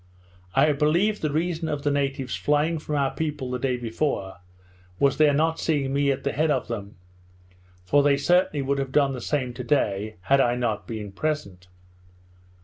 I believe the reason of the natives flying from our people the day before, was their not seeing me at the head of them; for they certainly would have done the same to day, had I not been present.